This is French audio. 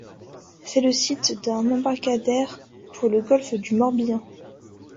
C'est le site d'un embarcadère pour le golfe du Morbihan.